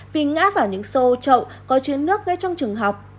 vì ngã vào những xô trậu có chứa nước ngay trong trường học